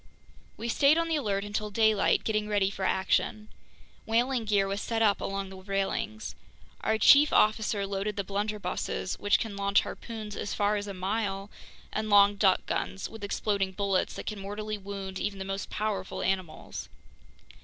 We stayed on the alert until daylight, getting ready for action. Whaling gear was set up along the railings. Our chief officer loaded the blunderbusses, which can launch harpoons as far as a mile, and long duck guns with exploding bullets that can mortally wound even the most powerful animals.